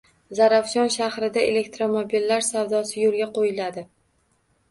Zarafshon shahrida elektromobillar savdosi yo‘lga qo‘yiladi